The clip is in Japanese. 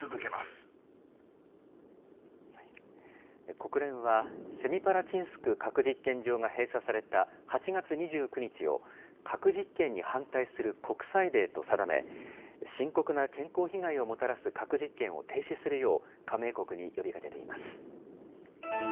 国連は、セミパラチンスク核実験場が閉鎖された８月２９日を、核実験に反対する国際デーと定め、深刻な健康被害をもたらす核実験を停止するよう、加盟国に呼びかけています。